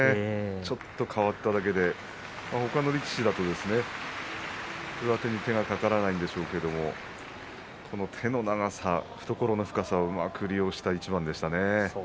ちょっと変わっただけで他の力士だと上手に手がかからないんでしょうけれどもこの手の長さ、懐の深さをうまく利用した一番でしたね。